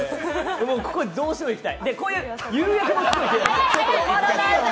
ここ、どうしても行きたい。